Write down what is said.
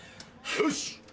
よし！